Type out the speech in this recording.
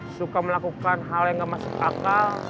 suka melakukan hal yang gak masuk akal